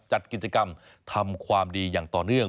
จัดกิจกรรมทำความดีอย่างต่อเนื่อง